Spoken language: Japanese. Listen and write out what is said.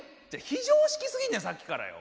非常識すぎんねんさっきからよ。